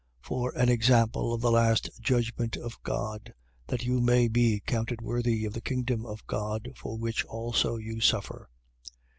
For an example of the just judgment of God, that you may be counted worthy of the kingdom of God, for which also you suffer.